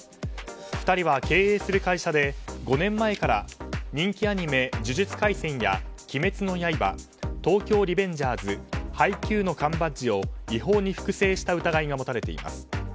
２人は経営する会社で５年前から人気アニメ「呪術廻戦」や「鬼滅の刃」「東京卍リベンジャーズ」「ハイキュー！！」の缶バッジを違法に複製した疑いが持たれています。